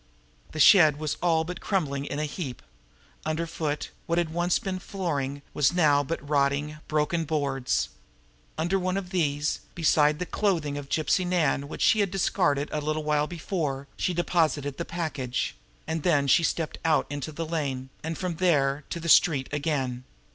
The shed was all but crumbling in a heap. Underfoot, what had once been flooring, was now but rotting, broken boards. Under one of these, beside the clothing of Gypsy Nan which she had discarded but a little while before, she deposited the package; then stepped out into the lane, and from there to the street again.